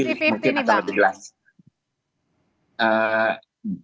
jadi masih ppb nih bang